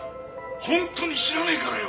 本当に知らねえからよ！